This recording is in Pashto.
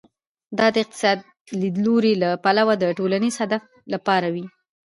دا د اقتصادي لیدلوري له پلوه د ټولنیز هدف لپاره وي.